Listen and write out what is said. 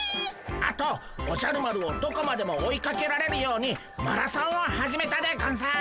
あとおじゃる丸をどこまでも追いかけられるようにマラソンを始めたでゴンス。